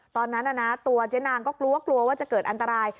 ตอนนั้นตัวเจ๊นางก็กลัวกลัวว่าจะเกิดอันตราย